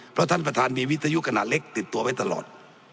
เพราะท่านประธานมีวิทยุขนาดเล็กติดตัวไว้ตลอด